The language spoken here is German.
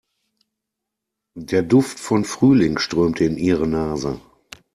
Der Duft von Frühling strömte in ihre Nase.